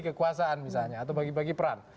kekuasaan misalnya atau bagi bagi peran